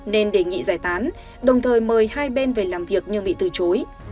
nên đề nghị giải tán đồng thời mời hai bên về làm việc nhưng bị từ chối